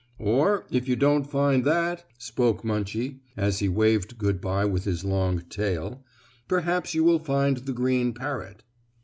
"Or, if you don't find that," spoke Munchie, as he waved good by with his long tail, "perhaps you will find the green parrot."